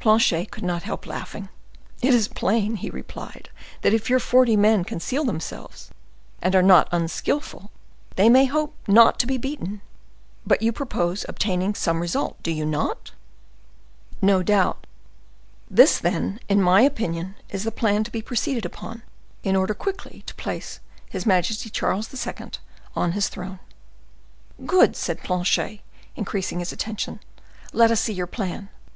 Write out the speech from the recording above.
Planchet could not help laughing. "It is plain," replied he, "that if your forty men conceal themselves, and are not unskillful, they may hope not to be beaten: but you propose obtaining some result, do you not?" "No doubt. This, then, in my opinion, is the plan to be proceeded upon in order quickly to replace his majesty Charles II. on his throne." "Good!" said Planchet, increasing his attention; "let us see your plan.